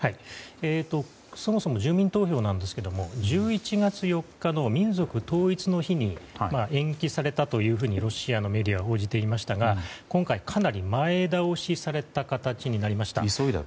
そもそも住民投票なんですが１１月４日の民族統一の日に延期されたというふうにロシアのメディアは報じていましたが今回かなり前倒しされた形になりました。